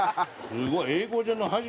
すごい。